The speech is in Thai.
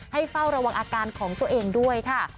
เฝ้าระวังอาการของตัวเองด้วยค่ะ